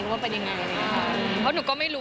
ว่าเป็นยังไง